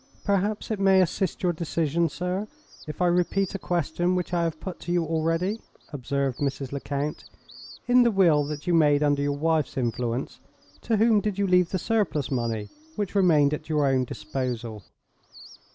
"Perhaps it may assist your decision, sir, if I repeat a question which I have put to you already," observed Mrs. Lecount. "In the will that you made under your wife's influence, to whom did you leave the surplus money which remained at your own disposal?"